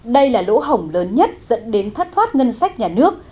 đây là lỗ hổng lớn nhất dẫn đến thất thoát ngân sách nhà nước